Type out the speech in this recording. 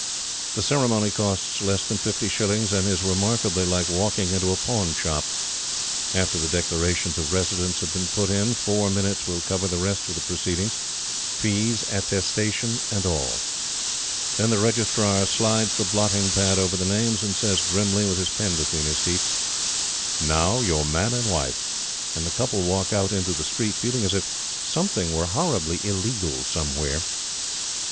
The ceremony costs less than fifty shillings, and is remarkably like walking into a pawn shop. After the declarations of residence have been put in, four minutes will cover the rest of the proceedings fees, attestation, and all. Then the Registrar slides the blotting pad over the names, and says grimly, with his pen between his teeth: "Now you're man and wife;" and the couple walk out into the street, feeling as if something were horribly illegal somewhere.